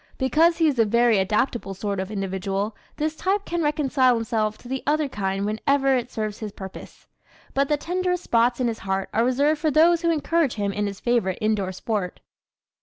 Because he is a very adaptable sort of individual this type can reconcile himself to the other kind whenever it serves his purpose. But the tenderest spots in his heart are reserved for those who encourage him in his favorite indoor sport.